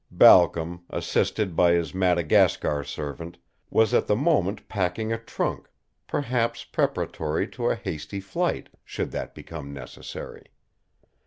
Balcom, assisted by his Madagascan servant, was at the moment packing a trunk, perhaps preparatory to a hasty flight, should that become necessary.